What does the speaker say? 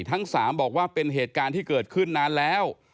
ทั้ง๓บอกว่าเป็นเหตุการณ์ที่เกิดขึ้นนานแล้ว